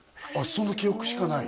その記憶しかない？